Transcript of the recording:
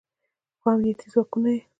خو امنیتي ځواکونه یې